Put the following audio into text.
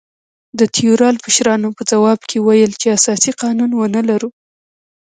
د تیورال مشرانو په ځواب کې ویل چې اساسي قانون ونه لرو.